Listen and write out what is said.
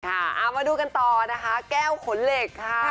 เอามาดูกันต่อนะคะแก้วขนเหล็กค่ะ